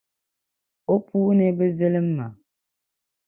O puuni bi zilima.